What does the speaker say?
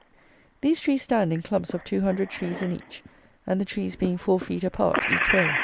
These trees stand in clumps of 200 trees in each, and the trees being four feet apart each way.